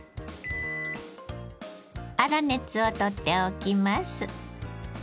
粗熱を取っておきます。